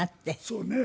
そうね。